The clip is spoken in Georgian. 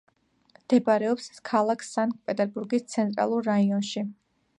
მდებარეობს ქალაქ სანქტ-პეტერბურგის ცენტრალურ რაიონში.